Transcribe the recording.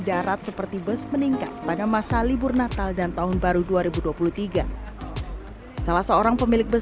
darat seperti bus meningkat pada masa libur natal dan tahun baru dua ribu dua puluh tiga salah seorang pemilik bus